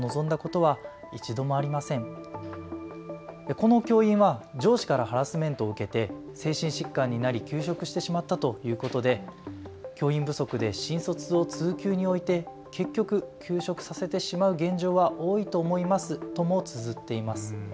この教員は上司からハラスメントを受けて精神疾患になり休職してしまったということで教員不足で新卒を通級に置いて結局、休職させてしまう現状は多いと思いますともつづっています。